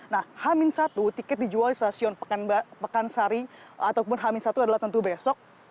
nah hamin satu tiket dijual di stasiun pekansari ataupun hamin satu adalah tentu besok